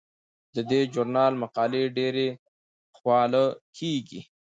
د دې ژورنال مقالې ډیرې حواله کیږي.